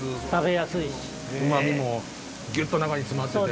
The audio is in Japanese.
うま味もギュっと中に詰まってて。